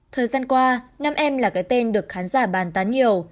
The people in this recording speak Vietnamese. thời gian qua nam em là cái tên được khán giả bàn tán nhiều